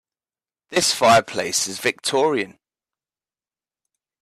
This fireplace is Victorian.